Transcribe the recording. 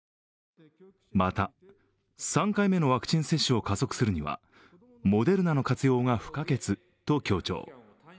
また、３回目のワクチン接種を加速するにはモデルナの活用が不可欠と強調。